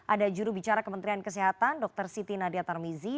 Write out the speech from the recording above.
ada juru bicara kementerian kesehatan dr siti nadia tarmizi